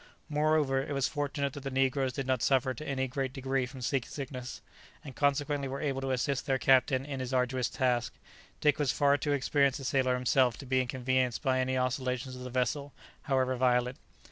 Moreover, it was fortunate that the negroes did not suffer to any great degree from sea sickness, and consequently were able to assist their captain in his arduous task, Dick was far too experienced a sailor himself to be inconvenienced by any oscillations of the vessel, however violent.